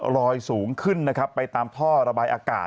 ลอยสูงขึ้นนะครับไปตามท่อระบายอากาศ